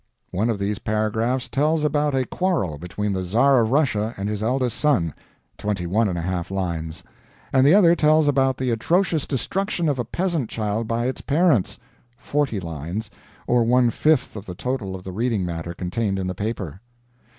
One of these paragraphs tells about a quarrel between the Czar of Russia and his eldest son, twenty one and a half lines; and the other tells about the atrocious destruction of a peasant child by its parents, forty lines, or one fifth of the total of the reading matter contained in the paper.